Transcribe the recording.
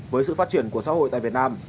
với sự phát triển của xã hội tại việt nam